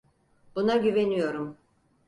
Buna güveniyorum.